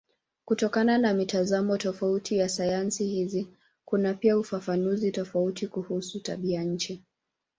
Kutokana na mitazamo tofauti ya sayansi hizi kuna pia ufafanuzi tofauti kuhusu tabianchi.